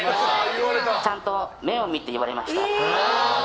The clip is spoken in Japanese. ちゃんと目を見て言われました。